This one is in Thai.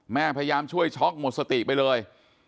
พยายามช่วยช็อกหมดสติไปเลย